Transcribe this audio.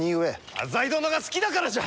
浅井殿が好きだからじゃ！